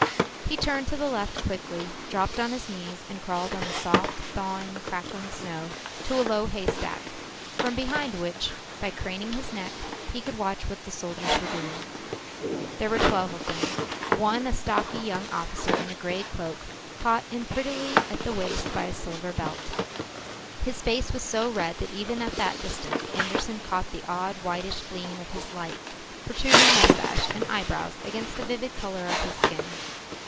He turned to the left quickly, dropped on his knees, and crawled on the soft, thawing, crackling snow to a low haystack, from behind which, by craning his neck, he could watch what the soldiers were doing. There were twelve of them, one a stocky young officer in a grey cloak caught in prettily at the waist by a silver belt. His face was so red that even at that distance Andersen caught the odd, whitish gleam of his light protruding moustache and eyebrows against the vivid colour of his skin.